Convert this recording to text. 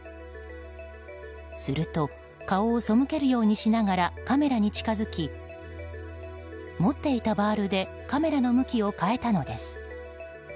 すると顔をそむけるようにしながらカメラに近づき持っていたバールでカメラの向きを変えたのです。